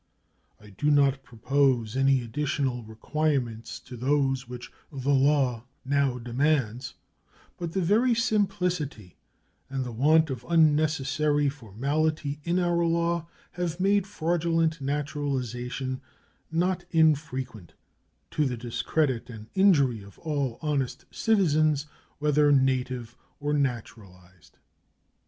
I do not propose any additional requirements to those which the law now demands; but the very simplicity and the want of unnecessary formality in our law have made fraudulent naturalization not infrequent, to the discredit and injury of all honest citizens, whether native or naturalized.